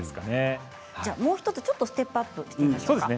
もう１つステップアップしましょうか。